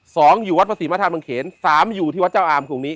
สองอยู่วัดพระศรีมธาตุบังเขนสามอยู่ที่วัดเจ้าอามตรงนี้